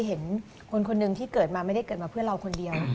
เห็นคนคนหนึ่งที่เกิดมาไม่ได้เกิดมาเพื่อเราคนเดียว